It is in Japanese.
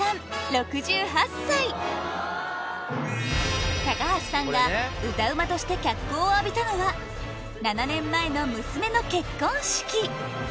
６８歳橋さんが歌うまとして脚光を浴びたのは７年前の娘の結婚式